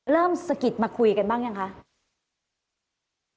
เริ่มสะกิดมาคุยกันบ้างหรือยังคะ